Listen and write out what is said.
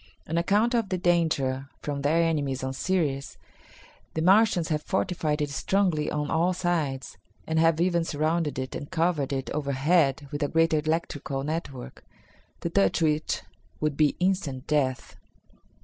On account of the danger from their enemies on Ceres, the Martians have fortified it strongly on all sides, and have even surrounded it and covered it overhead with a great electrical network, to touch which would be instant death."